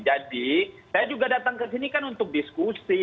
jadi saya juga datang ke sini kan untuk diskusi